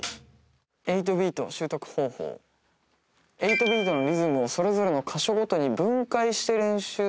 「８ビートのリズムをそれぞれの箇所ごとに分解して練習するのが」